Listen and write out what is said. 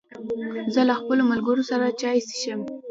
زه له خپلو ملګرو سره چای څښم.